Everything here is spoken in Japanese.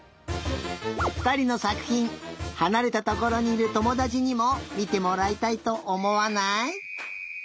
ふたりのさくひんはなれたところにいるともだちにもみてもらいたいとおもわない？